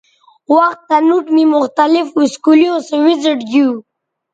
وختہ نوٹ می مختلف اسکولیوں سو وزٹ گیو